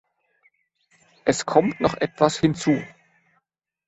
Es kommt noch etwas hinzu.